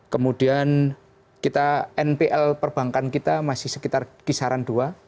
kemudian kita npl perbankan kita masih sekitar kisaran dua